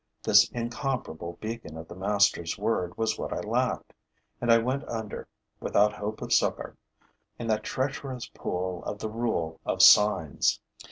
This incomparable beacon of the master's word was what I lacked; and I went under, without hope of succor, in that treacherous pool of the rule of signs.